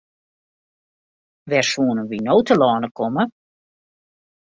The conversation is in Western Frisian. Wêr soenen we no telâne komme?